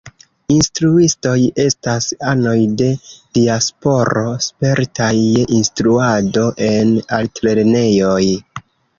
Instruistoj estas anoj de diasporo spertaj je instruado en altlernejoj.